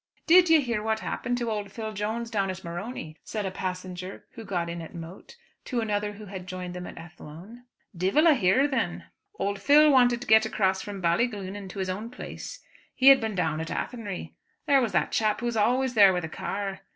"Did ye hear what happened to old Phil Jones down at Morony?" said a passenger, who got in at Moate, to another who had joined them at Athlone. "Divil a hear thin." "Old Phil wanted to get across from Ballyglunin to his own place. He had been down to Athenry. There was that chap who is always there with a car.